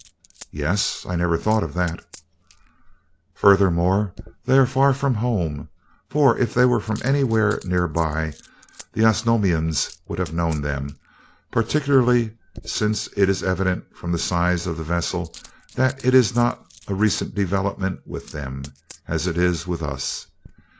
"Yes I never thought of that." "Furthermore, they are far from home, for if they were from anywhere nearby, the Osnomians would have known of them particularly since it is evident from the size of the vessel that it is not a recent development with them, as it is with us.